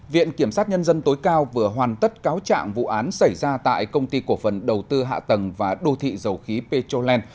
viện kiểm sát nhân dân tối cao vừa hoàn tất cáo trạng vụ án xảy ra tại công ty cổ phần đầu tư hạ tầng và đô thị dầu khí petroland